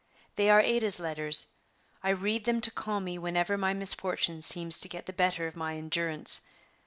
They are Ada's letters; I read them to calm me whenever my misfortune seems to get the better of my endurance.